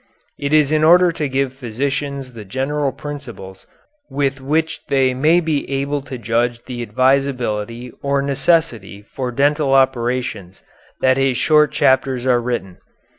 It is in order to give physicians the general principles with which they may be able to judge of the advisability or necessity for dental operations that his short chapters are written.